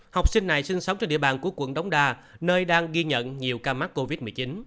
học sinh này sinh sống trên địa bàn của quận đống đa nơi đang ghi nhận nhiều ca mắc covid một mươi chín